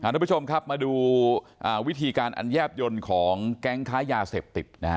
ทุกผู้ชมครับมาดูวิธีการอันแยบยนต์ของแก๊งค้ายาเสพติดนะฮะ